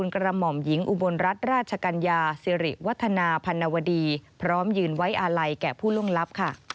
ขอบคุณครับ